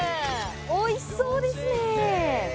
美味しそうですね。